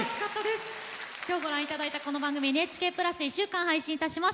今日、ご覧いただいたこの番組はＮＨＫプラスで１週間、配信します。